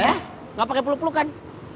ya nggak pakai peluk pelukan